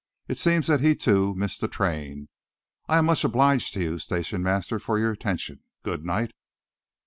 "It seems that he, too, missed the train. I am much obliged to you, station master, for your attention. Good night!"